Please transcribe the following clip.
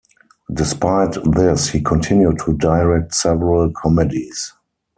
Despite this, he continued to direct several comedies.